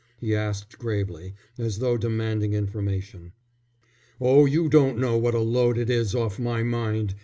he asked gravely, as though demanding information. "Oh, you don't know what a load it is off my mind!